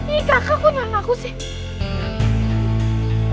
ih kakak kok nyala aku sih